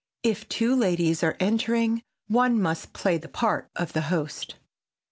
If two ladies are entertaining, one must play the part of host.